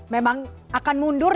memang akan mundur